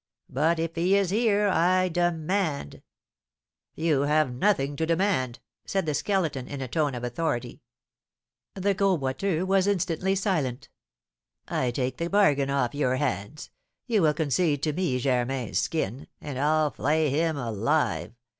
But if he is here, I demand " "You have nothing to demand," said the Skeleton, in a tone of authority. The Gros Boiteux was instantly silent. "I take the bargain off your hands; you will concede to me Germain's skin, and I'll flay him alive.